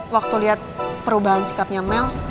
waktu lihat perubahan sikapnya mel